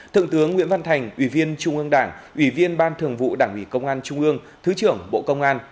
thượng tướng nguyễn văn thành ủy viên trung ương đảng ủy viên ban thường vụ đảng ủy công an trung ương thứ trưởng bộ công an